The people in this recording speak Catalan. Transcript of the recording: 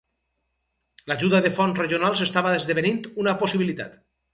L'ajuda de fonts regionals estava esdevenint una possibilitat.